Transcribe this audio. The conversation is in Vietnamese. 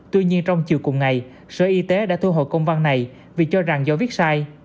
tuy nhiên trong chiều cùng ngày sở y tế đã thu hồ công văn này vì cho rằng do viết sai